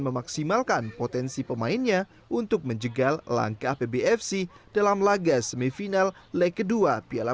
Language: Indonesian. memaksimalkan potensi pemainnya untuk menjegal langkah pbfc dalam laga semifinal leg kedua piala